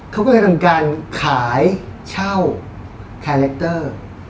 เขาก็กำลังการขายเช่าคาแรกเตอร์